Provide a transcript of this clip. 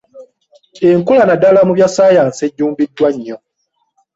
Enkola naddala mu bya ssaayansi ejjumbiddwa nnyo